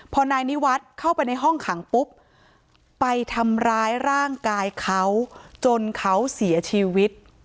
พอนายนิวัฒน์เข้าไปในห้องขังปุ๊บไปทำร้ายร่างกายเขาจนเขาเสียชีวิต